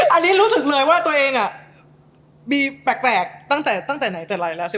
อันนี้รู้สึกเลยว่าตัวเองมีแปลกตั้งแต่ไหนแต่ไรแล้วสิ